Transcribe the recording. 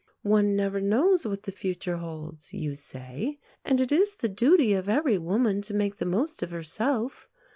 "One never knows what the future holds," you say, "and it is the duty of every woman to make the most of herself."